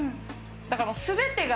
だからもう全てが。